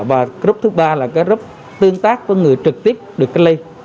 và group thứ ba là group tương tác với người trực tiếp được cách ly